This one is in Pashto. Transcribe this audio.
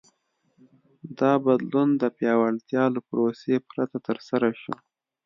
دا بدلون د پیاوړتیا له پروسې پرته ترسره شو.